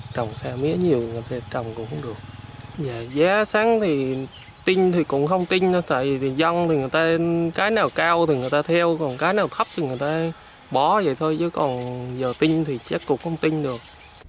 trồng xa mía nhiều người ta trồng cũng không được giá sắn thì tinh thì cũng không tinh tại vì dân thì người ta cái nào cao thì người ta theo còn cái nào thấp thì người ta bó vậy thôi chứ còn giờ tinh thì chắc cũng không tinh được